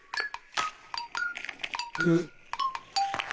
「く」。